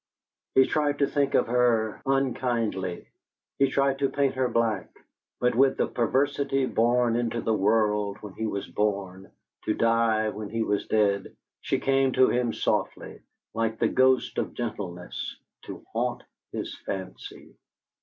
He tried to think of her unkindly, he tried to paint her black; but with the perversity born into the world when he was born, to die when he was dead, she came to him softly, like the ghost of gentleness, to haunt his fancy.